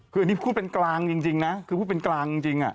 คืออันนี้พูดเป็นกลางจริงนะคือพูดเป็นกลางจริง